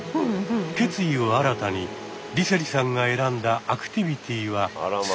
決意を新たに梨星さんが選んだアクティビティは釣り。